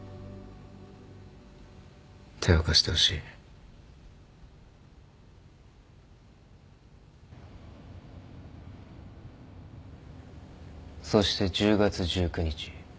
手を貸してほしいそして１０月１９日